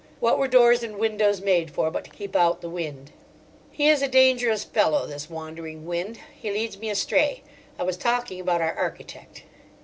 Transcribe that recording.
What were doors and windows made for but to keep out the wind. He is a dangerous fellow, this wandering Wind; he leads me astray. I was talking about our architect.